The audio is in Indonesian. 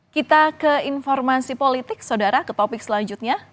kita ke informasi politik saudara ke topik selanjutnya